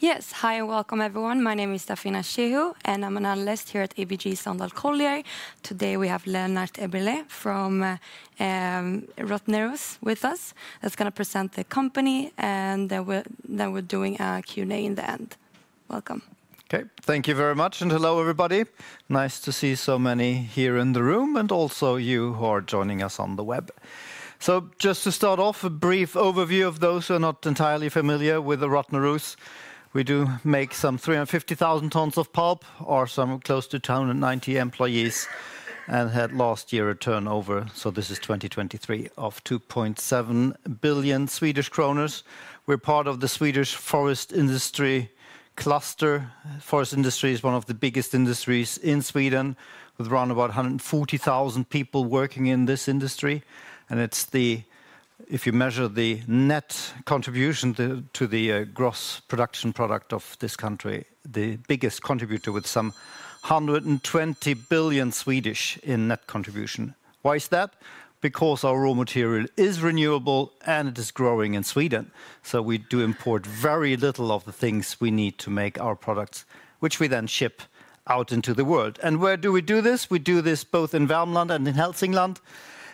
Yes, hi, and welcome everyone. My name is Dafina Shehu, and I'm an Analyst here at ABG Sundal Collier. Today we have Lennart Eberleh from Rottneros with us that's going to present the company, and then we're doing a Q&A in the end. Welcome. Okay, thank you very much, and hello everybody. Nice to see so many here in the room, and also you who are joining us on the web. So just to start off, a brief overview of those who are not entirely familiar with the Rottneros. We do make some 350,000 tons of pulp, are some close to 290 employees, and had last year a turnover, so this is 2023, of 2.7 billion Swedish kronor. We're part of the Swedish forest industry cluster. Forest industry is one of the biggest industries in Sweden, with around about 140,000 people working in this industry. And it's the, if you measure the net contribution to the gross domestic product of this country, the biggest contributor with some 120 billion in net contribution. Why is that? Because our raw material is renewable, and it is growing in Sweden. We do import very little of the things we need to make our products, which we then ship out into the world. And where do we do this? We do this both in Värmland and in Hälsingland.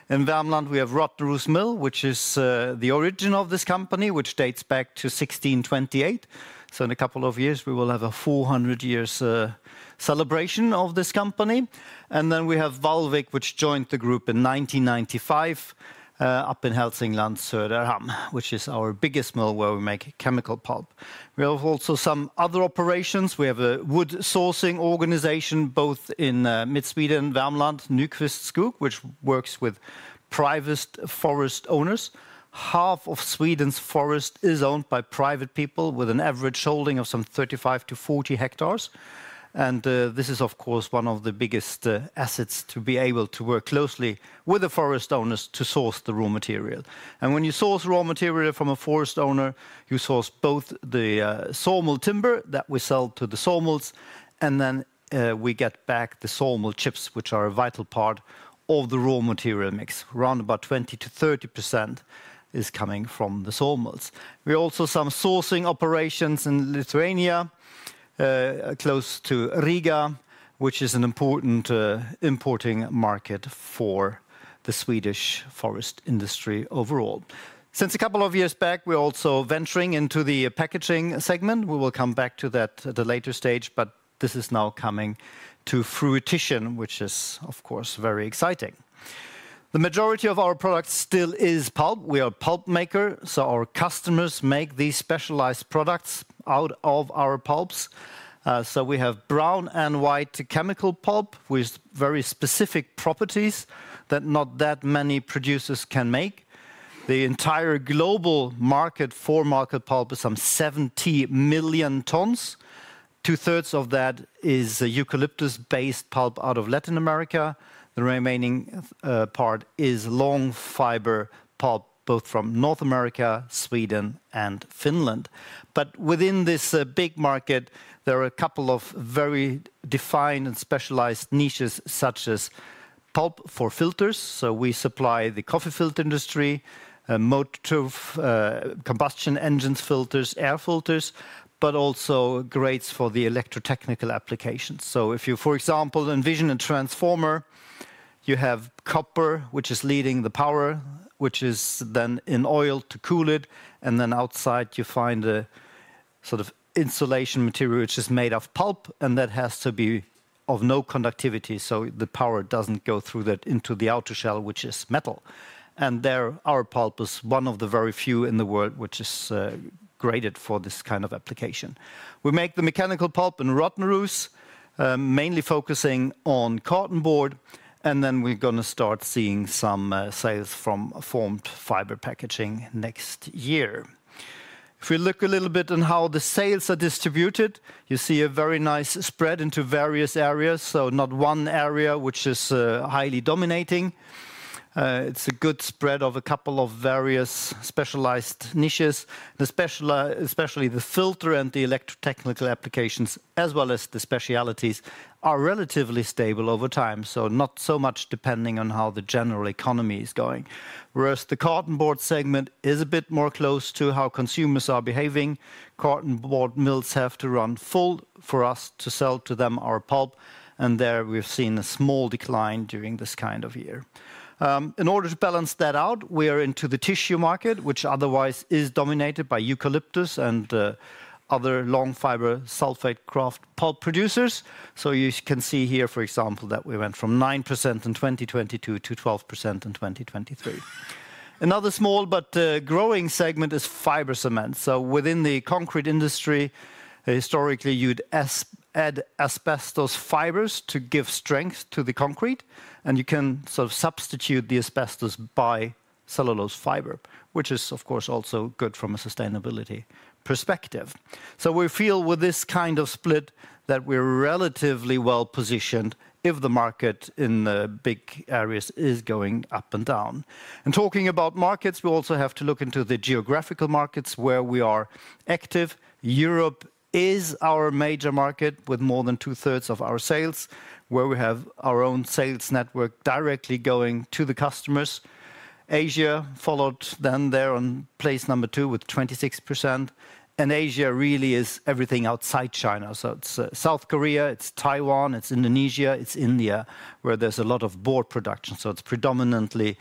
In Värmland, we have Rottneros Mill, which is the origin of this company, which dates back to 1628. So in a couple of years, we will have a 400-year celebration of this company. And then we have Vallvik, which joined the group in 1995, up in Hälsingland, Söderhamn, which is our biggest mill where we make chemical pulp. We have also some other operations. We have a wood sourcing organization both in mid-Sweden and Värmland, Nykvist Skogs, which works with private forest owners. Half of Sweden's forest is owned by private people with an average holding of some 35-40 hectares. And this is, of course, one of the biggest assets to be able to work closely with the forest owners to source the raw material. And when you source raw material from a forest owner, you source both the sawmill timber that we sell to the sawmills, and then we get back the sawmill chips, which are a vital part of the raw material mix. Around about 20%-30% is coming from the sawmills. We also have some sourcing operations in Lithuania, close to Riga, which is an important importing market for the Swedish forest industry overall. Since a couple of years back, we're also venturing into the packaging segment. We will come back to that at a later stage, but this is now coming to fruition, which is, of course, very exciting. The majority of our product still is pulp. We are a pulp maker, so our customers make these specialized products out of our pulps. So we have brown and white chemical pulp with very specific properties that not that many producers can make. The entire global market for market pulp is some 70 million tons. Two-thirds of that is eucalyptus-based pulp out of Latin America. The remaining part is long fiber pulp, both from North America, Sweden, and Finland. But within this big market, there are a couple of very defined and specialized niches, such as pulp for filters. So we supply the coffee filter industry, motor combustion engines filters, air filters, but also grates for the electrotechnical applications. So if you, for example, envision a transformer, you have copper, which is leading the power, which is then in oil to cool it. And then outside, you find a sort of insulation material, which is made of pulp, and that has to be of no conductivity, so the power doesn't go through that into the outer shell, which is metal. And there our pulp is one of the very few in the world, which is graded for this kind of application. We make the mechanical pulp in Rottneros, mainly focusing on cartonboard, and then we're going to start seeing some sales from formed fiber packaging next year. If we look a little bit on how the sales are distributed, you see a very nice spread into various areas, so not one area which is highly dominating. It's a good spread of a couple of various specialized niches, especially the filter and the electrotechnical applications, as well as the specialties are relatively stable over time, so not so much depending on how the general economy is going. Whereas the cartonboard segment is a bit more close to how consumers are behaving. Cartonboard mills have to run full for us to sell to them our pulp, and there we've seen a small decline during this kind of year. In order to balance that out, we are into the tissue market, which otherwise is dominated by eucalyptus and other long fiber sulfate kraft pulp producers. So you can see here, for example, that we went from 9% in 2022 to 12% in 2023. Another small but growing segment is fiber cement. So within the concrete industry, historically, you'd add asbestos fibers to give strength to the concrete, and you can sort of substitute the asbestos by cellulose fiber, which is, of course, also good from a sustainability perspective. So we feel with this kind of split that we're relatively well positioned if the market in the big areas is going up and down. And talking about markets, we also have to look into the geographical markets where we are active. Europe is our major market with more than two-thirds of our sales, where we have our own sales network directly going to the customers. Asia followed then there on place number two with 26%. And Asia really is everything outside China. So it's South Korea, it's Taiwan, it's Indonesia, it's India, where there's a lot of board production. So it's predominantly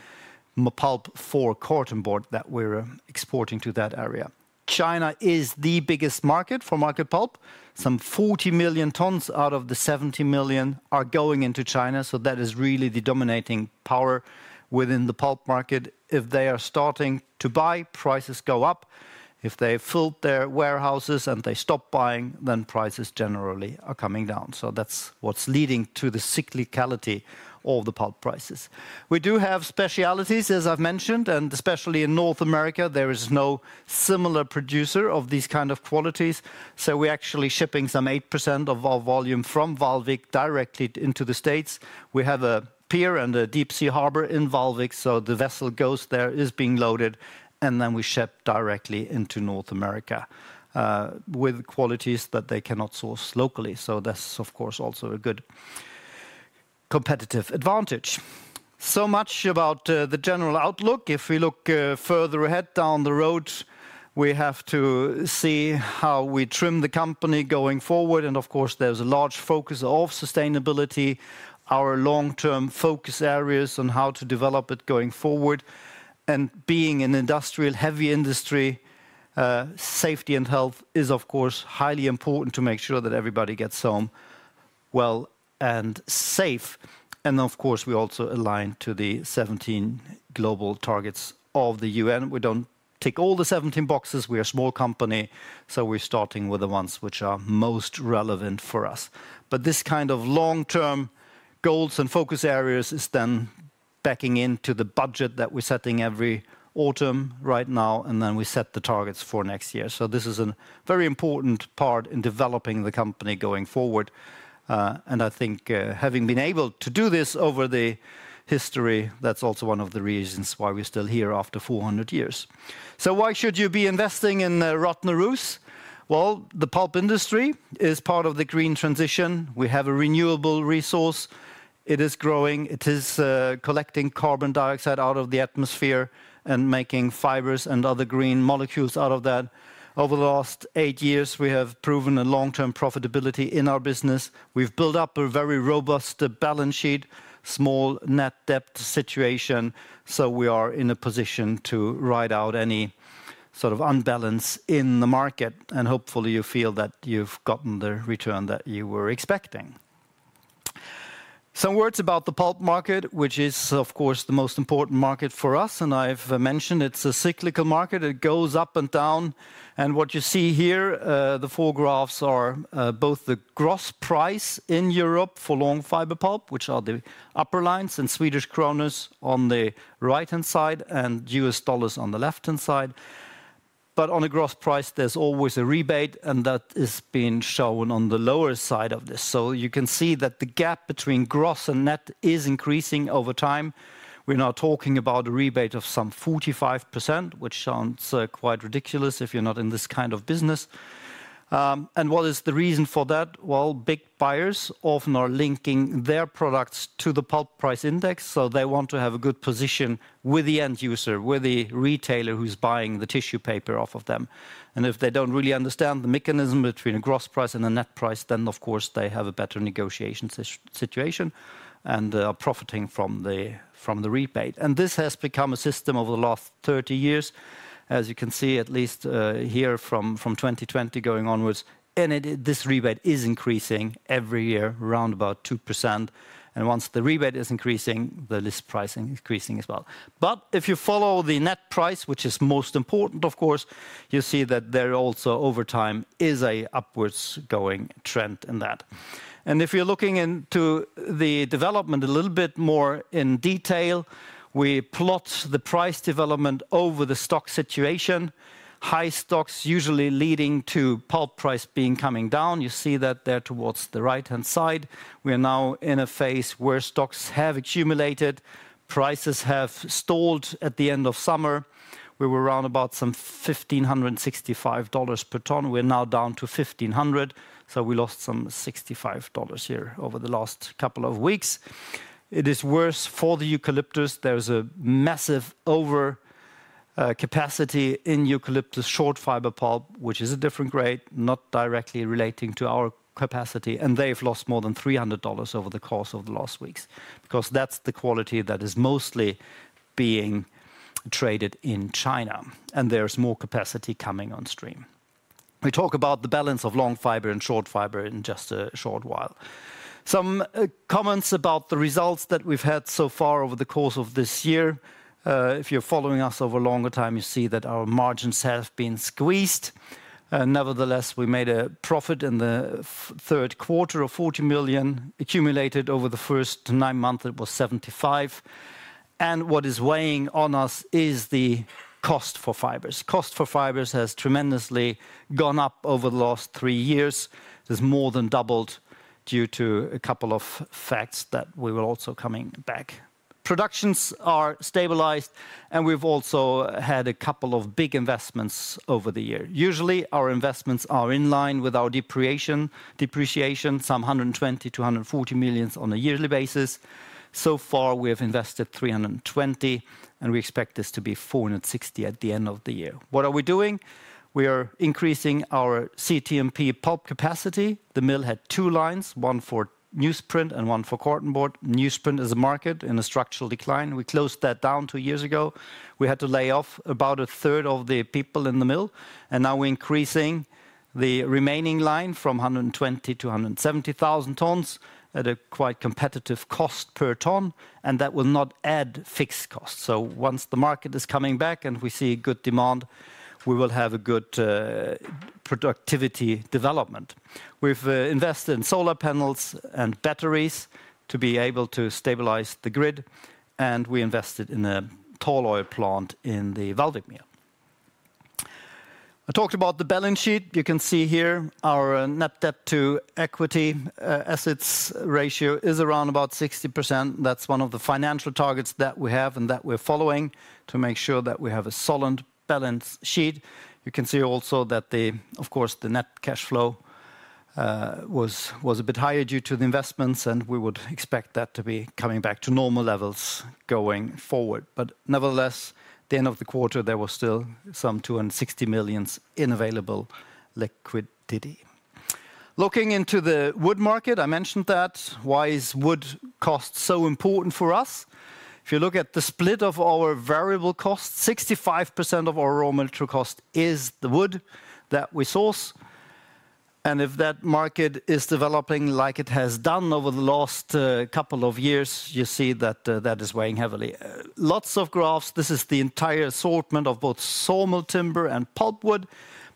pulp for cartonboard that we're exporting to that area. China is the biggest market for market pulp. Some 40 million tons out of the 70 million are going into China, so that is really the dominating power within the pulp market. If they are starting to buy, prices go up. If they fill their warehouses and they stop buying, then prices generally are coming down. So that's what's leading to the cyclicality of the pulp prices. We do have specialties, as I've mentioned, and especially in North America, there is no similar producer of these kinds of qualities. So we're actually shipping some 8% of our volume from Vallvik directly into the States. We have a pier and a deep-sea harbor in Vallvik, so the vessel goes there, is being loaded, and then we ship directly into North America with qualities that they cannot source locally. So that's, of course, also a good competitive advantage. So much about the general outlook. If we look further ahead down the road, we have to see how we trim the company going forward, and of course, there's a large focus of sustainability, our long-term focus areas on how to develop it going forward. And being an industrial-heavy industry, safety and health is, of course, highly important to make sure that everybody gets home well and safe, and of course, we also align to the 17 global targets of the U.N. We don't tick all the 17 boxes. We are a small company, so we're starting with the ones which are most relevant for us, but this kind of long-term goals and focus areas is then backing into the budget that we're setting every autumn right now, and then we set the targets for next year, so this is a very important part in developing the company going forward. I think having been able to do this over the history, that's also one of the reasons why we're still here after 400 years. Why should you be investing in Rottneros? The pulp industry is part of the green transition. We have a renewable resource. It is growing. It is collecting carbon dioxide out of the atmosphere and making fibers and other green molecules out of that. Over the last eight years, we have proven a long-term profitability in our business. We've built up a very robust balance sheet, small net debt situation, so we are in a position to ride out any sort of unbalance in the market. Hopefully, you feel that you've gotten the return that you were expecting. Some words about the pulp market, which is, of course, the most important market for us. I've mentioned it's a cyclical market. It goes up and down. And what you see here, the four graphs are both the gross price in Europe for long fiber pulp, which are the upper lines, and Swedish kronor on the right-hand side, and U.S. dollars on the left-hand side. But on a gross price, there's always a rebate, and that is being shown on the lower side of this. So you can see that the gap between gross and net is increasing over time. We're now talking about a rebate of some 45%, which sounds quite ridiculous if you're not in this kind of business. And what is the reason for that? Well, big buyers often are linking their products to the pulp price index, so they want to have a good position with the end user, with the retailer who's buying the tissue paper off of them. And if they don't really understand the mechanism between a gross price and a net price, then of course they have a better negotiation situation and are profiting from the rebate. And this has become a system over the last 30 years. As you can see, at least here from 2020 going onwards, this rebate is increasing every year, around about 2%. And once the rebate is increasing, the list price is increasing as well. But if you follow the net price, which is most important, of course, you see that there also over time is an upwards going trend in that. And if you're looking into the development a little bit more in detail, we plot the price development over the stock situation. High stocks usually leading to pulp price being coming down. You see that there towards the right-hand side. We are now in a phase where stocks have accumulated. Prices have stalled at the end of summer. We were around about some $1,565 per ton. We're now down to $1,500, so we lost some $65 here over the last couple of weeks. It is worse for the eucalyptus. There's a massive overcapacity in eucalyptus short fiber pulp, which is a different grade, not directly relating to our capacity, and they've lost more than $300 over the course of the last weeks because that's the quality that is mostly being traded in China, and there's more capacity coming on stream. We talk about the balance of long fiber and short fiber in just a short while. Some comments about the results that we've had so far over the course of this year. If you're following us over a longer time, you see that our margins have been squeezed. Nevertheless, we made a profit in the third quarter of 40 million accumulated over the first nine months. It was 75 million. And what is weighing on us is the cost for fibers. Cost for fibers has tremendously gone up over the last three years. It has more than doubled due to a couple of facts that we will also be coming back. Productions are stabilized, and we've also had a couple of big investments over the year. Usually, our investments are in line with our depreciation, some 120 million-140 million on a yearly basis. So far, we have invested 320 million, and we expect this to be 460 million at the end of the year. What are we doing? We are increasing our CTMP pulp capacity. The mill had two lines, one for newsprint and one for cartonboard. Newsprint is a market in a structural decline. We closed that down two years ago. We had to lay off about a third of the people in the mill, and now we're increasing the remaining line from 120,000-170,000 tons at a quite competitive cost per ton, and that will not add fixed costs, so once the market is coming back and we see good demand, we will have a good productivity development. We've invested in solar panels and batteries to be able to stabilize the grid, and we invested in a tall oil plant in the Vallvik. I talked about the balance sheet. You can see here our net debt to equity assets ratio is around about 60%. That's one of the financial targets that we have and that we're following to make sure that we have a solid balance sheet. You can see also that, of course, the net cash flow was a bit higher due to the investments, and we would expect that to be coming back to normal levels going forward. But nevertheless, at the end of the quarter, there was still some 260 million in available liquidity. Looking into the wood market, I mentioned that. Why is wood cost so important for us? If you look at the split of our variable costs, 65% of our raw material cost is the wood that we source. And if that market is developing like it has done over the last couple of years, you see that that is weighing heavily. Lots of graphs. This is the entire assortment of both sawmill timber and pulp wood.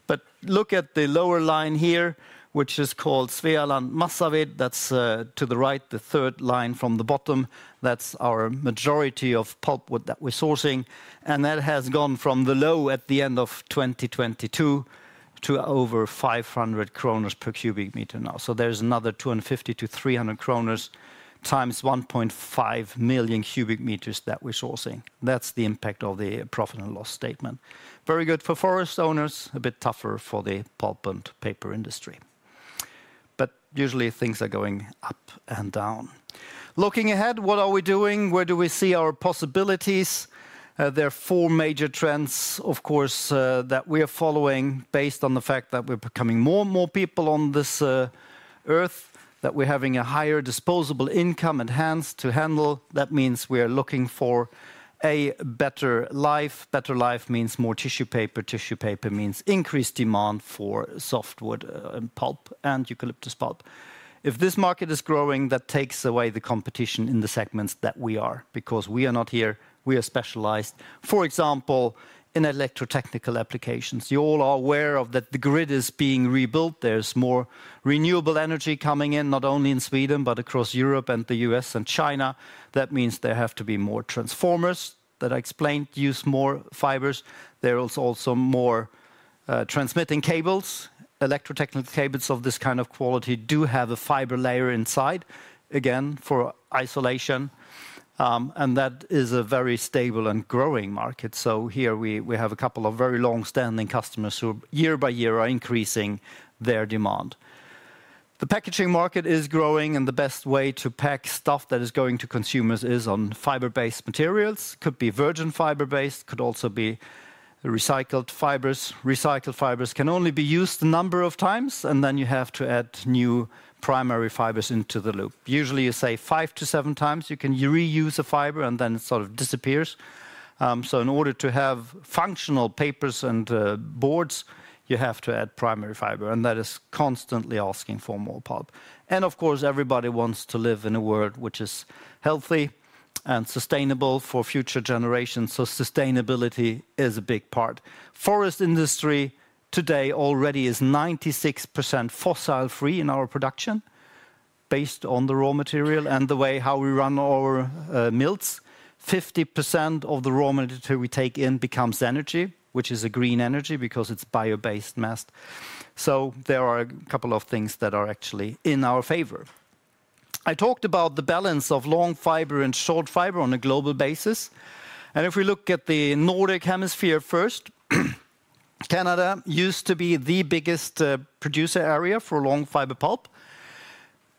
But look at the lower line here, which is called Svealand massaved. That's to the right, the third line from the bottom. That's our majority of pulp wood that we're sourcing, and that has gone from the low at the end of 2022 to over 500 kronor per cubic meter now, so there's another 250-300 kronor times 1.5 million cubic meters that we're sourcing. That's the impact of the profit and loss statement. Very good for forest owners, a bit tougher for the pulp and paper industry, but usually, things are going up and down. Looking ahead, what are we doing? Where do we see our possibilities? There are four major trends, of course, that we are following based on the fact that we're becoming more and more people on this earth, that we're having a higher disposable income enhanced to handle. That means we are looking for a better life. Better life means more tissue paper. Tissue paper means increased demand for softwood pulp and eucalyptus pulp. If this market is growing, that takes away the competition in the segments that we are because we are not here. We are specialized, for example, in electrotechnical applications. You all are aware of that the grid is being rebuilt. There's more renewable energy coming in, not only in Sweden but across Europe and the U.S. and China. That means there have to be more transformers that I explained use more fibers. There is also more transmitting cables. Electrotechnical cables of this kind of quality do have a fiber layer inside, again, for isolation. And that is a very stable and growing market. So here, we have a couple of very long-standing customers who year by year are increasing their demand. The packaging market is growing, and the best way to pack stuff that is going to consumers is on fiber-based materials. It could be virgin fiber-based. It could also be recycled fibers. Recycled fibers can only be used a number of times, and then you have to add new primary fibers into the loop. Usually, you save five to seven times. You can reuse a fiber, and then it sort of disappears. So in order to have functional papers and boards, you have to add primary fiber. And that is constantly asking for more pulp. And of course, everybody wants to live in a world which is healthy and sustainable for future generations. So sustainability is a big part. Forest industry today already is 96% fossil-free in our production based on the raw material and the way how we run our mills. 50% of the raw material we take in becomes energy, which is a green energy because it's bio-based mass. So there are a couple of things that are actually in our favor. I talked about the balance of long fiber and short fiber on a global basis, and if we look at the northern hemisphere first, Canada used to be the biggest producer area for long fiber pulp.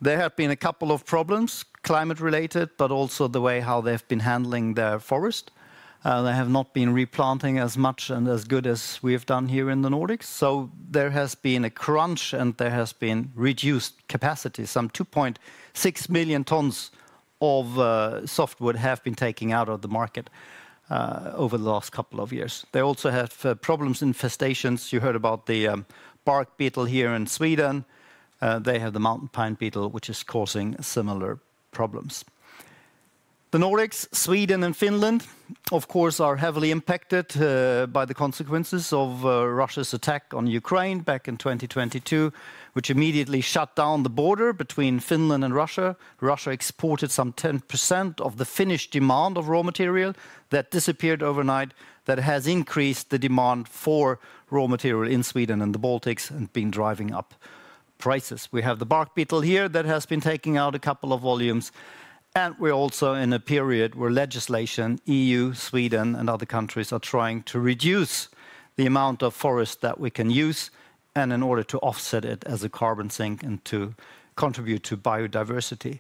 There have been a couple of problems, climate-related, but also the way how they've been handling their forest. They have not been replanting as much and as good as we have done here in the Nordics, so there has been a crunch, and there has been reduced capacity. Some 2.6 million tons of softwood have been taken out of the market over the last couple of years. They also have problems in infestations. You heard about the bark beetle here in Sweden. They have the mountain pine beetle, which is causing similar problems. The Nordics, Sweden, and Finland, of course, are heavily impacted by the consequences of Russia's attack on Ukraine back in 2022, which immediately shut down the border between Finland and Russia. Russia exported some 10% of the Finnish demand of raw material that disappeared overnight that has increased the demand for raw material in Sweden and the Baltics and been driving up prices. We have the bark beetle here that has been taking out a couple of volumes. And we're also in a period where legislation, EU, Sweden, and other countries are trying to reduce the amount of forest that we can use and in order to offset it as a carbon sink and to contribute to biodiversity.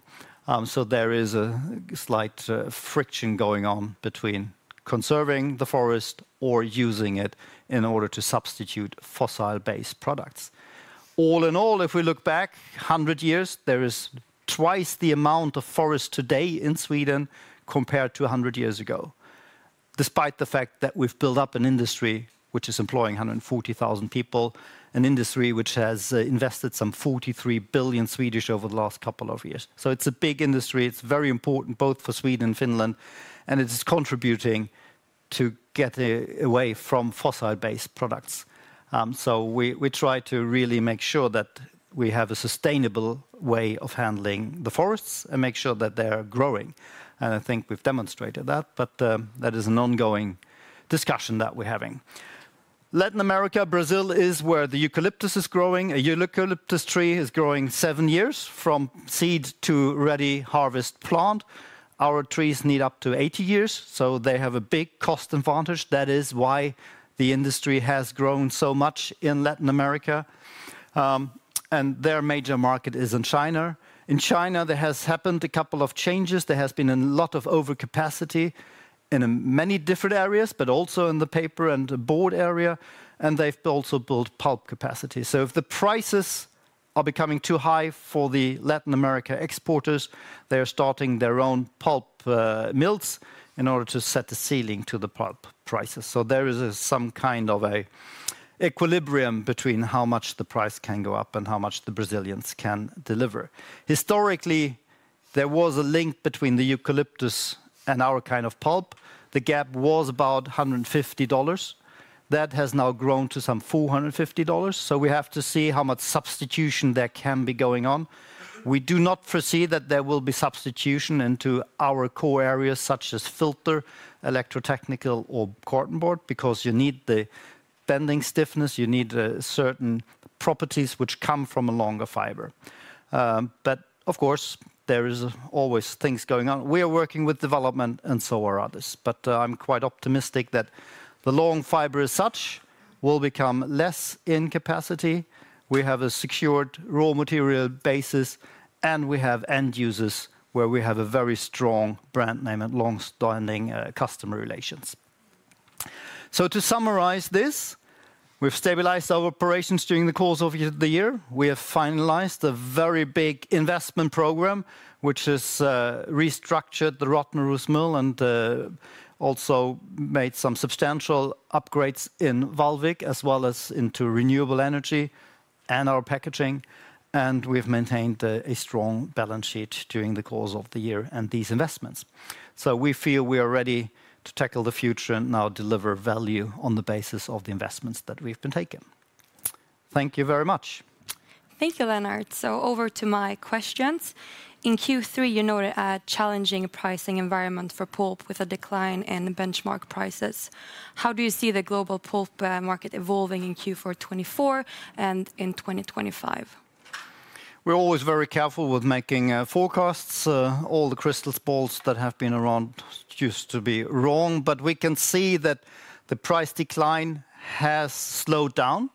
So there is a slight friction going on between conserving the forest or using it in order to substitute fossil-based products. All in all, if we look back 100 years, there is twice the amount of forest today in Sweden compared to 100 years ago, despite the fact that we've built up an industry which is employing 140,000 people, an industry which has invested some 43 billion over the last couple of years. So it's a big industry. It's very important both for Sweden and Finland. And it is contributing to get away from fossil-based products. So we try to really make sure that we have a sustainable way of handling the forests and make sure that they're growing. And I think we've demonstrated that. But that is an ongoing discussion that we're having. Latin America, Brazil is where the eucalyptus is growing. A eucalyptus tree is growing seven years from seed to ready harvest plant. Our trees need up to 80 years. So they have a big cost advantage. That is why the industry has grown so much in Latin America, and their major market is in China. In China, there has happened a couple of changes. There has been a lot of overcapacity in many different areas, but also in the paper and board area, and they've also built pulp capacity, so if the prices are becoming too high for the Latin America exporters, they are starting their own pulp mills in order to set the ceiling to the pulp prices, so there is some kind of an equilibrium between how much the price can go up and how much the Brazilians can deliver. Historically, there was a link between the eucalyptus and our kind of pulp. The gap was about $150. That has now grown to some $450, so we have to see how much substitution there can be going on. We do not foresee that there will be substitution into our core areas such as filter, electrotechnical, or cartonboard because you need the bending stiffness. You need certain properties which come from a longer fiber. But of course, there are always things going on. We are working with development and so are others. But I'm quite optimistic that the long fiber as such will become less in capacity. We have a secured raw material basis, and we have end users where we have a very strong brand name and long-standing customer relations. So to summarize this, we've stabilized our operations during the course of the year. We have finalized a very big investment program, which has restructured the Rottneros Mill and also made some substantial upgrades in Vallvik, as well as into renewable energy and our packaging. And we've maintained a strong balance sheet during the course of the year and these investments. So we feel we are ready to tackle the future and now deliver value on the basis of the investments that we've been taken. Thank you very much. Thank you, Lennart. So over to my questions. In Q3, you noted a challenging pricing environment for pulp with a decline in benchmark prices. How do you see the global pulp market evolving in Q4 2024 and in 2025? We're always very careful with making forecasts. All the crystal balls that have been around used to be wrong. But we can see that the price decline has slowed down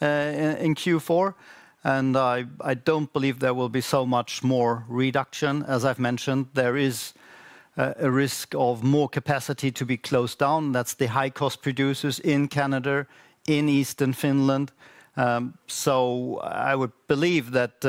in Q4. And I don't believe there will be so much more reduction. As I've mentioned, there is a risk of more capacity to be closed down. That's the high-cost producers in Canada, in eastern Finland. I would believe that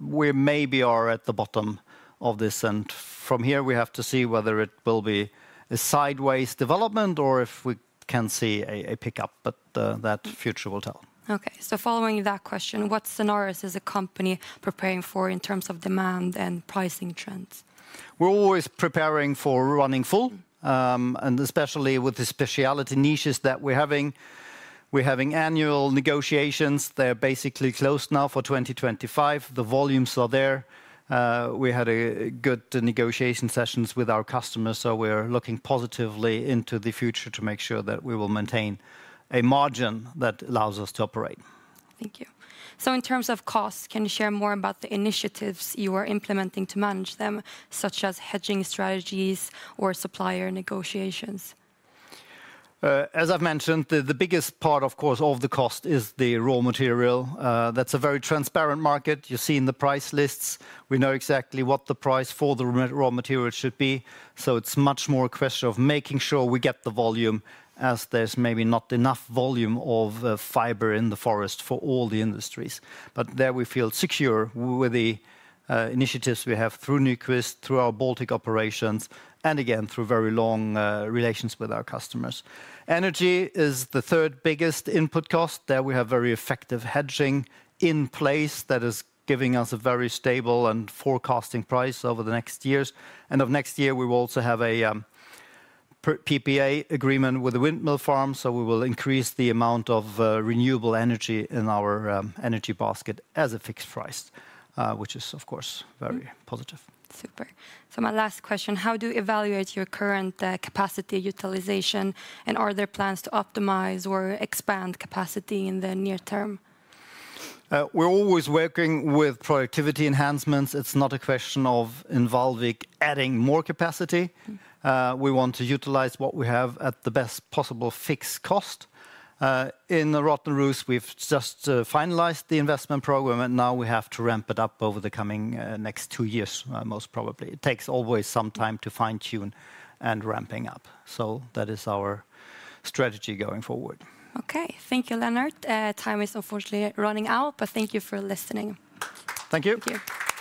we maybe are at the bottom of this. And from here, we have to see whether it will be a sideways development or if we can see a pickup. But the future will tell. Okay. Following that question, what scenarios is a company preparing for in terms of demand and pricing trends? We're always preparing for running full, and especially with the specialty niches that we're having. We're having annual negotiations. They're basically closed now for 2025. The volumes are there. We had good negotiation sessions with our customers. So we're looking positively into the future to make sure that we will maintain a margin that allows us to operate. Thank you. In terms of costs, can you share more about the initiatives you are implementing to manage them, such as hedging strategies or supplier negotiations? As I've mentioned, the biggest part, of course, of the cost is the raw material. That's a very transparent market. You see in the price lists. We know exactly what the price for the raw material should be. So it's much more a question of making sure we get the volume as there's maybe not enough volume of fiber in the forest for all the industries. But there we feel secure with the initiatives we have through Nykvist, through our Baltic operations, and again, through very long relations with our customers. Energy is the third biggest input cost. There we have very effective hedging in place that is giving us a very stable and forecasting price over the next years. And of next year, we will also have a PPA agreement with the windmill farm. So we will increase the amount of renewable energy in our energy basket as a fixed price, which is, of course, very positive. Super. So my last question, how do you evaluate your current capacity utilization and are there plans to optimize or expand capacity in the near term? We're always working with productivity enhancements. It's not a question of involving adding more capacity. We want to utilize what we have at the best possible fixed cost. In the Rottneros, we've just finalized the investment program, and now we have to ramp it up over the coming next two years, most probably. It takes always some time to fine-tune and ramping up. So that is our strategy going forward. Okay. Thank you, Lennart. Time is unfortunately running out, but thank you for listening. Thank you. Thank you.